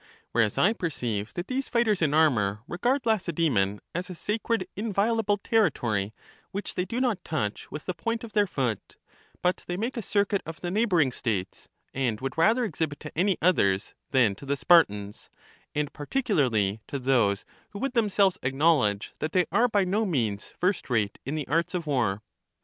Whereas LACHES 93 I perceive that these fighters in armor regard Lace daemon as a sacred inviolable territory, which they do not touch with the point of their foot; but they make a circuit of the neighboring states, and would rather exhibit to any others than to the Spartans; and particularly to those who would themselves acknowl edge that they are by no means first rate in the arts of war.